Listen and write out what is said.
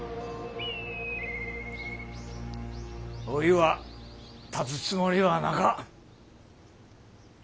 おいは立つつもりはなか。